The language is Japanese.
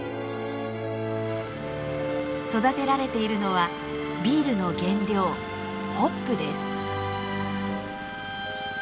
育てられているのはビールの原料ホップです。